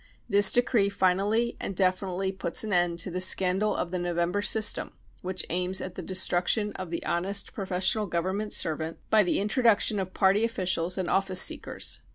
This decree finally and definitely puts an end to the scandal of the November system, which aims at the destruction of the honest professional Government servant by the the persecution of jews 267 introduction of party officials and office seekers.